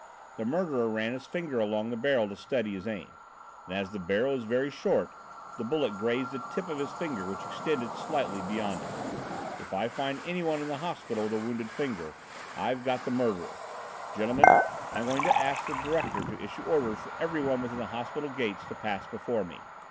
The murderer ran his finger along the barrel to steady his aim, and as the barrel is very short, the bullet grazed the tip of his finger which extended slightly beyond it. If I find anyone in the hospital with a wounded finger, I've got the murderer! Gentlemen, I am going to ask the director to issue orders for everyone within the hospital gates to pass before me.